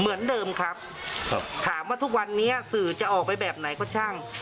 เหมือนเดิมครับถามว่าทุกวันนี้สื่อจะออกไปแบบไหนก็ช่าง